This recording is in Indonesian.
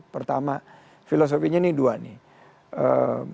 pertama filosofinya ini dua nih